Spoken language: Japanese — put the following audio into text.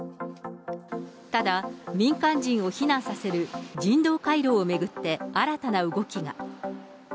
ただ民間人を避難させる人道回廊を巡って新たな動きが。